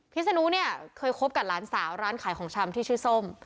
ศนุเนี่ยเคยคบกับหลานสาวร้านขายของชำที่ชื่อส้ม